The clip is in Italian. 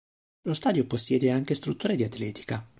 Lo stadio possiede anche strutture di atletica.